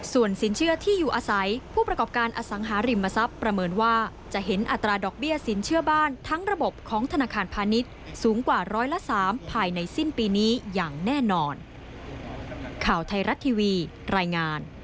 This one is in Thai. ส่วนสินเชื่อที่อยู่อาศัยผู้ประกอบการอสังหาริมทรัพย์ประเมินว่าจะเห็นอัตราดอกเบี้ยสินเชื่อบ้านทั้งระบบของธนาคารพาณิชย์สูงกว่าร้อยละ๓ภายในสิ้นปีนี้อย่างแน่นอน